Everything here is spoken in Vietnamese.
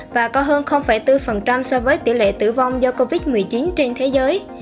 và có hơn bốn so với tỷ lệ tử vong do covid một mươi chín trên thế giới